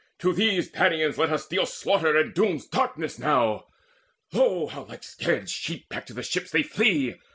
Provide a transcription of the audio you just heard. To these Danaans Let us deal slaughter and doom's darkness now! Lo, how like scared sheep back to the ships they flee!